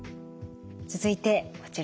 続いてこちら。